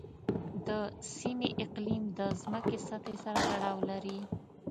د سیمې اقلیم د ځمکې سطحې سره تړاو لري.